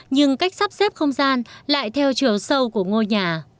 nhưng cách sắp xếp không gian lại theo chiều sâu của ngôi nhà